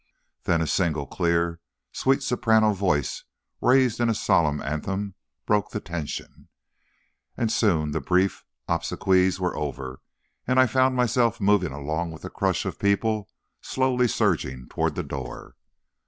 Then, a single clear, sweet soprano voice, raised in a solemn anthem, broke the tension, and soon the brief obsequies were over, and I found myself moving along with the crush of people slowly surging toward the door.